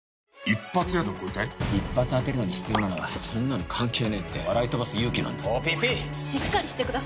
一発当てるのに必要なのはそんなの関係ねえって笑い飛ばす勇気なんだ。